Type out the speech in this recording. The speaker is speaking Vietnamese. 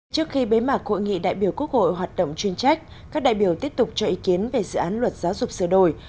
trước khi bế mạc hội nghị đại biểu quốc hội hoạt động chuyên trách các đại biểu tiếp tục cho ý kiến về dự án luật giáo dục sửa đổi